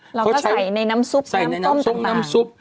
เราก็ใส่ในน้ำซุปน้ำต้มน้ำซุป